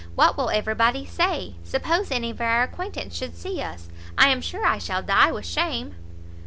what will every body say? suppose any of our acquaintance should see us? I am sure I shall die with shame."